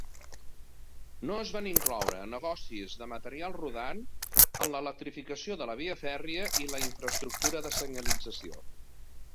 No es van incloure negocis de material rodant en la electrificació de la via fèrria i la infrastructura de senyalització.